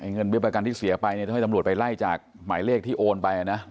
เงินเบี้ยประกันที่เสียไปต้องให้ตำรวจไปไล่จากหมายเลขที่โอนไปนะ